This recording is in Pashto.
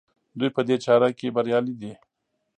دوی په دې چاره کې بریالي دي.